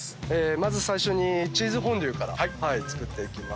まず最初にチーズフォンデュから作っていきます。